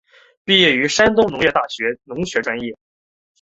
毕业于山东农业大学农学专业。